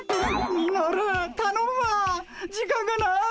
ミノルたのむわ時間がない。